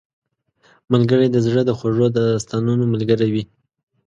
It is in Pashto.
ملګری د زړه د خوږو داستانونو ملګری وي